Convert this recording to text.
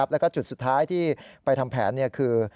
แล้วก็จุดสุดท้ายที่ไปทำแผนคือ